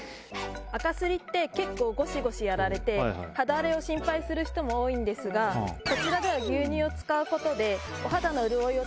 アカスリって結構ゴシゴシやられて肌荒れを心配する人も多いんですがこちらでは。